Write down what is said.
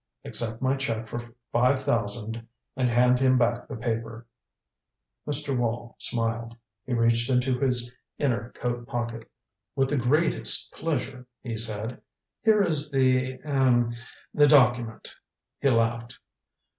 Accept my check for five thousand and hand him back the paper." Mr. Wall smiled. He reached into his inner coat pocket. "With the greatest pleasure," he said. "Here is the er the document." He laughed.